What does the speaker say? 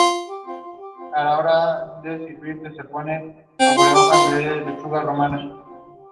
It may also be known as Hawkhead House.